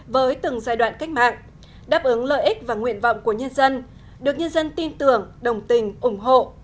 với từng giai đoạn cách mạng đáp ứng lợi ích và nguyện vọng của nhân dân được nhân dân tin tưởng đồng tình ủng hộ